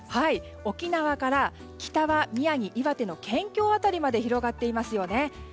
沖縄から北は宮城、岩手の県境辺りまで広がっていますよね。